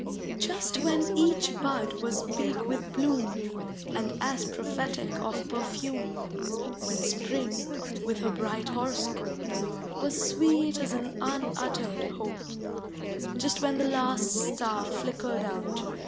Just when each bud was big with bloom. And as prophetic of perfume, When spring, with her bright horoscope, Was sweet as an unuttered hope; Just when the last star flickered out.